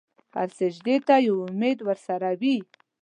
هر سجدې ته یو امید ورسره وي.